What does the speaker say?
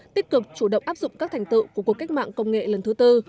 tích cực chủ động áp dụng các thành tựu của cuộc cách mạng công nghệ lần thứ tư